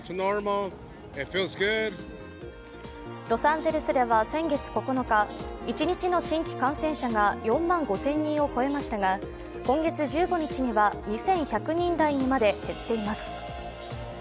ロサンゼルスでは先月９日、一日の新規感染者が４万５０００人を超えましたが今月１５日には２１００人台にまで減っています。